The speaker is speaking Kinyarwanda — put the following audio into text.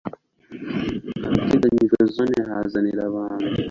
ahateganyijwe zone hazanira abantu